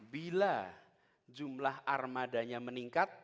bila jumlah armadanya meningkat